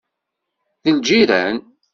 D lǧiran.